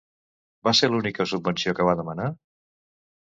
Va ser l'única subvenció que va demanar?